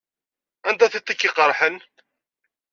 Anta tiṭ i k-iqerḥen?